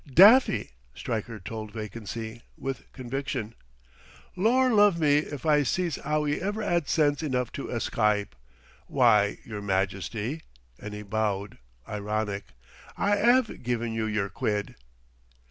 "Daffy," Stryker told vacancy, with conviction. "Lor' luv me if I sees 'ow he ever 'ad sense enough to escype. W'y, yer majesty!" and he bowed, ironic. "I 'ave given you yer quid."